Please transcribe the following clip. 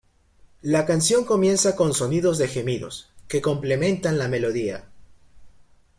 La canción comienza con sonidos de gemidos, que complementan la melodía.